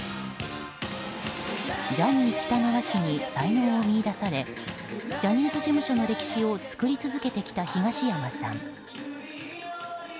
ジャニー喜多川氏に才能を見いだされジャニーズ事務所の歴史を作り続けてきた東山さん。